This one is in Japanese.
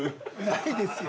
◆ないですよ。